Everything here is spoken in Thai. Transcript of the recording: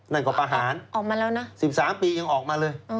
นั่นก็ประหาร๑๓ปียังออกมาเลย